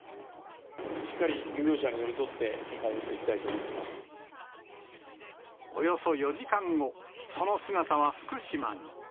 しっかり漁業者に寄り添っておよそ４時間後、その姿は福島に。